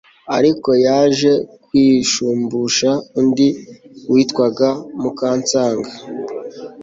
ariko yaje kwishumbusha undi witwaga mukansanga